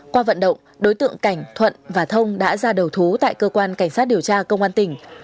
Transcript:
qua vận động đối tượng cảnh thuận và thông đã ra đầu thú tại cơ quan cảnh sát điều tra công an tỉnh